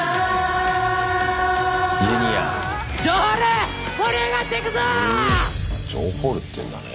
Ｊｒ．城ホールっていうんだね。